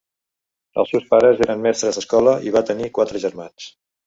Els seus pares eren mestres d'escola i va tenir quatre germans.